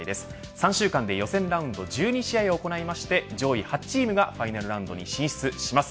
３週間で予選ラウンド１２試合を行いまして上位８チームがファイナルラウンドに進出します。